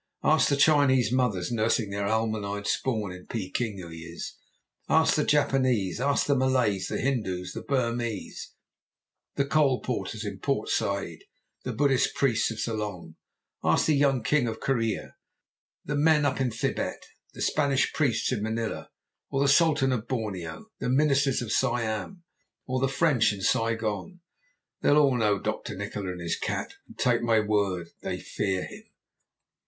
Ask the Chinese mothers nursing their almond eyed spawn in Peking who he is; ask the Japanese, ask the Malays, the Hindoos, the Burmese, the coal porters in Port Said, the Buddhist priests of Ceylon; ask the King of Corea, the men up in Thibet, the Spanish priests in Manilla, or the Sultan of Borneo, the ministers of Siam, or the French in Saigon they'll all know Dr. Nikola and his cat, and, take my word, they fear him.'